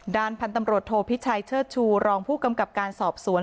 ดันพันธนโปรโทฯพิชัยเชิ้ตชูรองพู่กำกับการสอบสวน